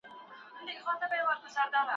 يو انسان په پښتو ژبي خپل فکر خپروي.